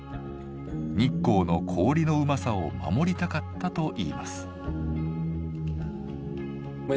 日光の氷のうまさを守りたかったといいます。